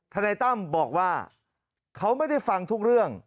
นายตั้มบอกว่าเขาไม่ได้ฟังทุกเรื่อง